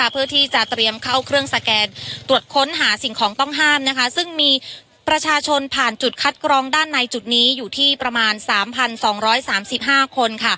เพื่อที่จะเตรียมเข้าเครื่องสแกนตรวจค้นหาสิ่งของต้องห้ามซึ่งมีประชาชนผ่านจุดคัดกรองด้านในจุดนี้อยู่ที่ประมาณ๓๒๓๕คน